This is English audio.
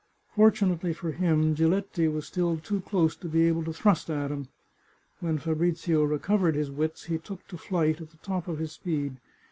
Fortunately for him, Giletti was still too close to be able to thrust at him. When Fabrizio recovered his wits he took to flight at the top of his speed.